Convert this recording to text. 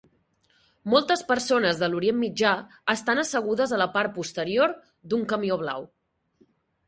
Moltes persones de l'Orient Mitjà estan assegudes a la part posterior d'un camió blau.